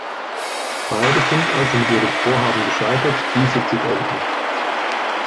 Beide sind also mit ihrem Vorhaben gescheitert, diese zu beenden.